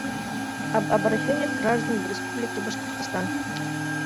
«Об обращениях граждан в Республике Башкортостан»